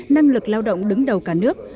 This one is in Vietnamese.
năng lực lao động đứng đầu cả nước